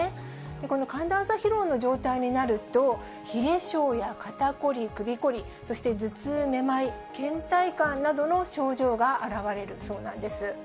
この寒暖差疲労の状態になると、冷え性や肩凝り、首凝り、そして頭痛、めまい、けん怠感などの症状が現れるそうなんです。